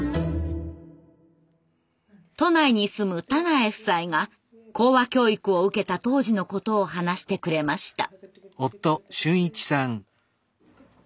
都内に住む田苗夫妻が口話教育を受けた当時のことを話してくれました。